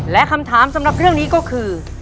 และคำถามสำหรับเรื่องนี้ก็คือ